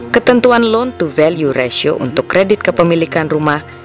ketentuan loan to value ratio untuk kredit kepemilikan rumah